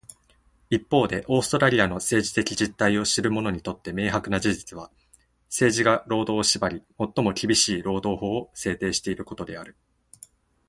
一方で、オーストラリアの政治的実態を知る者にとって明白な事実は、政治が労働を縛り、最も厳しい労働法を制定していることである。